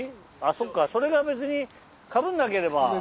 あっそっかそれが別にかぶんなければ。